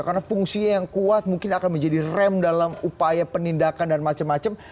karena fungsinya yang kuat mungkin akan menjadi rem dalam upaya penindakan dan macam macam